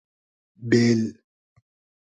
بېل